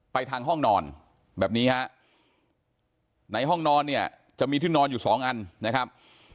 ทางห้องนอนแบบนี้ฮะในห้องนอนเนี่ยจะมีที่นอนอยู่สองอันนะครับ